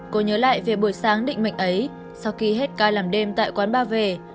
cô nhớ lại về buổi sáng định mệnh ấy sau khi hết ca làm đêm tại quán ba về